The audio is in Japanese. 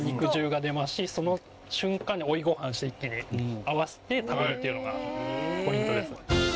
その瞬間に追いご飯して一気に合わせて食べるっていうのがポイントです。